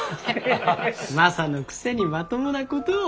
マサのくせにまともなことを。